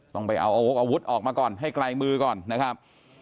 ต้องไปเอาวกอาวุธออกมาก่อนให้ไกลมือก่อนนะครับ